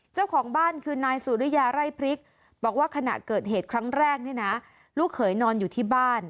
เจ้าของบ้านคือนายสุริยาไร่พริกบอกว่าขณะเกิดเหตุครั้งแรกนี่นะลูกเขยนอนอยู่ที่บ้าน